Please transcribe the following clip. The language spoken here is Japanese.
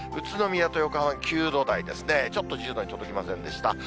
宇都宮と横浜９度台ですね、ちょっと１０度に届きませんでした。